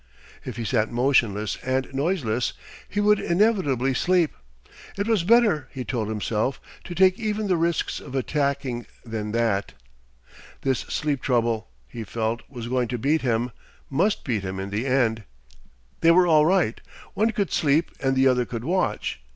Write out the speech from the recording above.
If he sat motionless and noiseless, he would inevitably sleep. It was better, he told himself, to take even the risks of attacking than that. This sleep trouble, he felt, was going to beat him, must beat him in the end. They were all right; one could sleep and the other could watch.